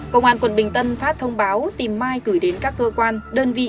công an quận bình tân phát thông báo tìm mai gửi đến các cơ quan đơn vị